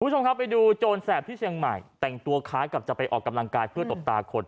คุณผู้ชมครับไปดูโจรแสบที่เชียงใหม่แต่งตัวคล้ายกับจะไปออกกำลังกายเพื่อตบตาคน